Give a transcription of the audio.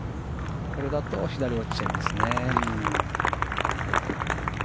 これだと左に落ちちゃいますね。